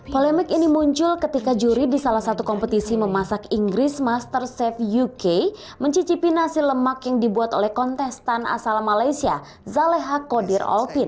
polemik ini muncul ketika juri di salah satu kompetisi memasak inggris master chef uk mencicipi nasi lemak yang dibuat oleh kontestan asal malaysia zaleha kodir olpin